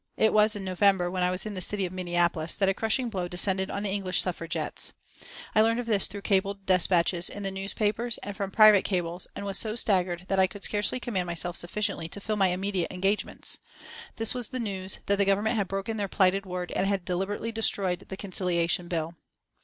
It was in November, when I was in the city of Minneapolis, that a crushing blow descended on the English suffragists. I learned of this through cabled despatches in the newspapers and from private cables, and was so staggered that I could scarcely command myself sufficiently to fill my immediate engagements. This was the news, that the Government had broken their plighted word and had deliberately destroyed the Conciliation Bill.